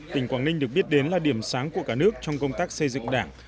tỉnh quảng ninh được biết đến là điểm sáng của cả nước trong công tác xây dựng đảng